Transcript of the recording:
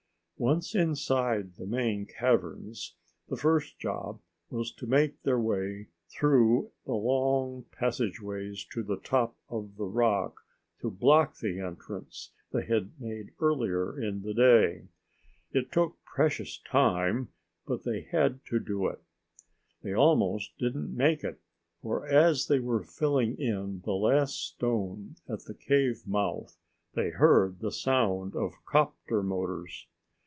Once inside the main caverns, the first job was to make their way through the long passageways to the top of the rock to block the entrance they had made earlier in the day. It took precious time, but they had to do it. They almost didn't make it, for as they were filling in the last stone at the cave mouth they heard the sound of 'copter motors.